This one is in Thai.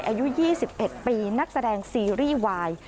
อายุ๒๑ปีนักแสดงซีรีส์วาย